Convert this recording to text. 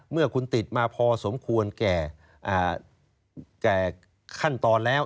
เมื่อคุณติดมาพอสมควรแก่ขั้นตอนแล้ว